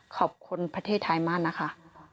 ขอบคุณประเทศไทยมากนะคะ